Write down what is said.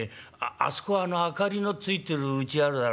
あそこあの明かりのついてるうちあるだろ？